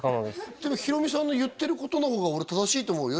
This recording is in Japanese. ちょっとひろみさんの言ってることのほうが俺正しいと思うよ